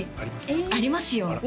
ええありますよ